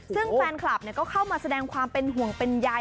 ซึ่งแฟนคลับก็เข้ามาแสดงความเป็นห่วงเป็นใย